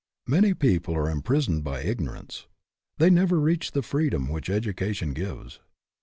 Many people are imprisoned by ignorance. They never reach the freedom which education gives.